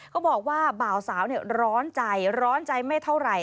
เขาบอกว่าบ่าวสาวร้อนใจร้อนใจไม่เท่าไหร่